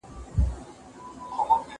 بحث څخه د فاسدو پښتنو دفاع نه ده، بلکي موخه